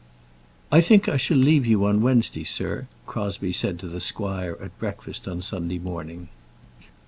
"I think I shall leave you on Wednesday, sir," Crosbie said to the squire at breakfast on Sunday morning.